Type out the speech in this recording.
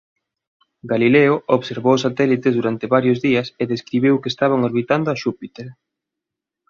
Galileo observou os satélites durante varios días e describiu que estaban orbitando a Xúpiter.